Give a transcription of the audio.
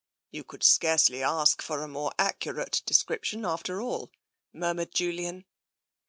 " You could scarcely ask for a more accurate de scription, after all,'* murmured Julian.